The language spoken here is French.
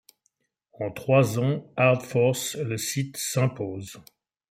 En trois ans, Hard Force, le site s'impose.